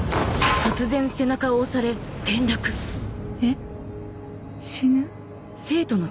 えっ死ぬ？